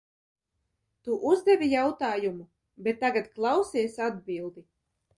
Tu uzdevi jautājumu, bet tagad klausies atbildi!